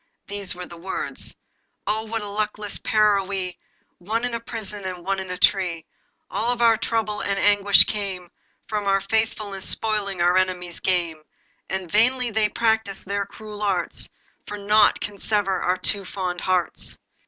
These were the words: 'Oh! what a luckless pair are we, One in a prison, and one in a tree. All our trouble and anguish came From our faithfulness spoiling our enemies' game. But vainly they practice their cruel arts, For nought can sever our two fond hearts.